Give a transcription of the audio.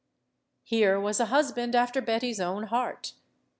Here was a husband after Betty's own heart.